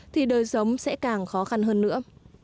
thì đời sống sẽ càng khó khăn hơn nữa